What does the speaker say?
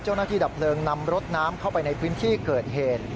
เจ้าหน้าที่ดับเพลิงนำรถน้ำเข้าไปในพื้นที่เกิดเหตุ